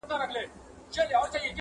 هغه خپل درد پټوي او له چا سره نه شريکوي-